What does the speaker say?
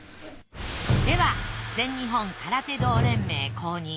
では全日本空手道連盟公認